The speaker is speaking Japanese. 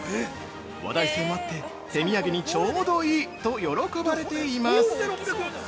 「話題性もあって手土産にちょうどいい！」と喜ばれています。